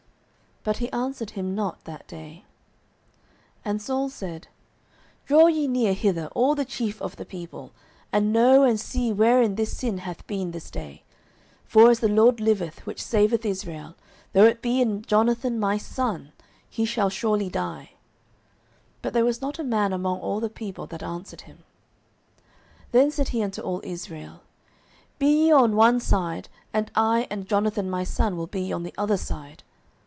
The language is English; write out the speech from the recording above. But he answered him not that day. 09:014:038 And Saul said, Draw ye near hither, all the chief of the people: and know and see wherein this sin hath been this day. 09:014:039 For, as the LORD liveth, which saveth Israel, though it be in Jonathan my son, he shall surely die. But there was not a man among all the people that answered him. 09:014:040 Then said he unto all Israel, Be ye on one side, and I and Jonathan my son will be on the other side.